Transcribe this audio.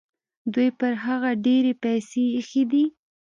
دوی پر هغه ډېرې پیسې ایښي دي.